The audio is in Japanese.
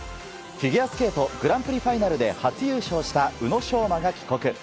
フィギュアスケートグランプリファイナルで初優勝した宇野昌磨が帰国。